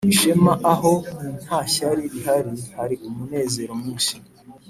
ishema aho nta ishyari rihari, hari umunezero mwinshi;